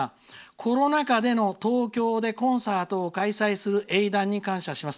コロナ禍での東京でコンサートを開催する英断に感謝します。